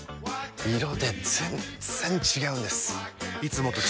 色で全然違うんです！